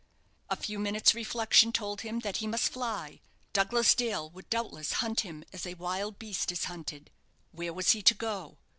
A few minutes' reflection told him that he must fly Douglas Dale would doubtless hunt him as a wild beast is hunted. Where was he to go?